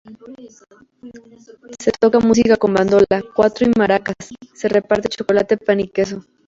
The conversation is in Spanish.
Se toca música con bandola, cuatro y maracas; se reparte chocolate, pan y queso.